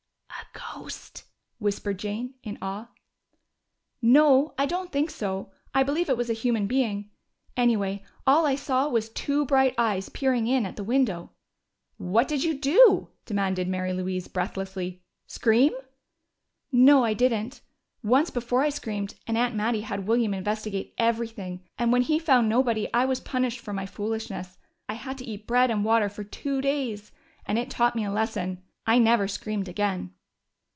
"A ghost?" whispered Jane, in awe. "No, I don't think so. I believe it was a human being. Anyway, all I saw was two bright eyes peering in at the window!" "What did you do?" demanded Mary Louise breathlessly. "Scream?" "No, I didn't. Once before I screamed, and Aunt Mattie had William investigate everything, and when he found nobody I was punished for my foolishness. I had to eat bread and water for two days. And it taught me a lesson. I never screamed again."